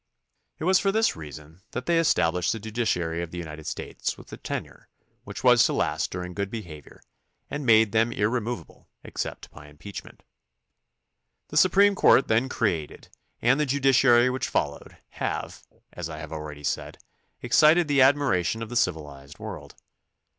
It was for this reason that they established the judiciary of the United States with a tenure which was to last during good behavior and made them ir removable except by impeachment. The Supreme Court then created and the judiciary which followed have, as I have already said, excited the admiration of the civilized world.